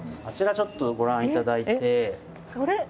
あちらちょっとご覧頂いて。